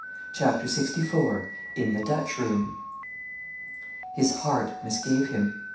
CHAPTER LXIV. IN THE DUTCH ROOM. His heart misgave him.